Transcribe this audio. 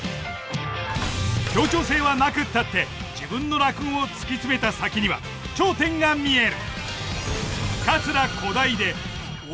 協調性はなくったって自分の落語を突き詰めた先には頂点が見える。